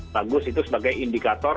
bagus itu sebagai indikator